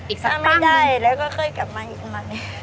อีกสักปั้งนึงไม่ได้แล้วก็เคยกลับมาอีกมัน